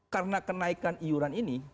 karena kenaikan iuran ini